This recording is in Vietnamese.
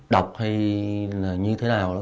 đọc hay là như thế nào đó